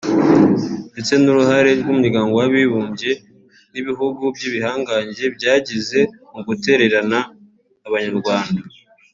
ndetse n’uruhare rw’ Umuryango w’Abibumbye n’ibihugu by’ibihanganjye byagize mu gutererana Abanyarwanda